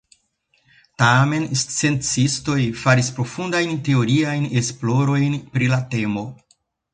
Tamen sciencistoj faris profundajn teoriajn esplorojn pri la temo.